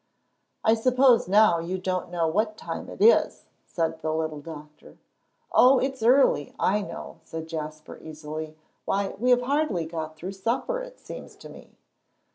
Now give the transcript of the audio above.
"I suppose now you don't know what time it is," said the little Doctor. "Oh, it's early, I know," said Jasper, easily; "why, we have hardly got through supper, it seems to me."